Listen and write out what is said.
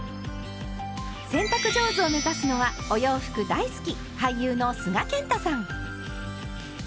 洗濯上手を目指すのはお洋服大好き俳優の須賀健太さん。